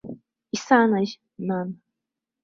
Исанажь, нан.